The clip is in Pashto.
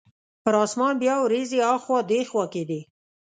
پر اسمان بیا وریځې اخوا دیخوا کیدې.